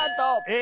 え。